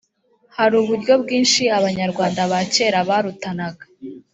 hari uburyo bwinshi abanyarwanda ba kera barutanaga .